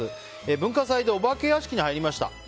文化祭でお化け屋敷に入りました。